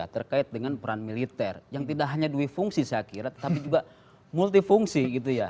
terkait dengan peran militer yang tidak hanya dua fungsi saya kira tapi juga multifungsi